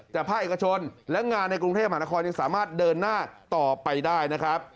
แต่ภาคเอกชนและงานในกรุงเทพมหานครยังสามารถเดินหน้าต่อไปได้นะครับ